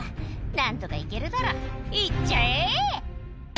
「何とか行けるだろ行っちゃえ」